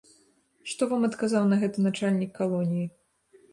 Што вам адказаў на гэта начальнік калоніі?